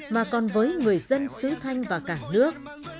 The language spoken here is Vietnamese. mà còn với người dân sứ thanh và cả nước